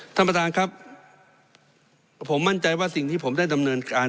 ท่านประธานครับผมมั่นใจว่าสิ่งที่ผมได้ดำเนินการ